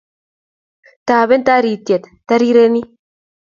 Taben tariet tarireni